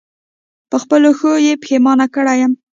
په خپلو ښو یې پښېمانه کړی یم.